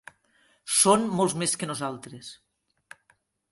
Són molts més que nosaltres.